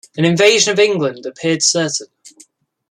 An invasion of England appeared certain.